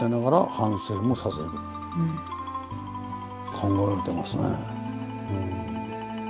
考えられてますね。